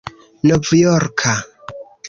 novjorka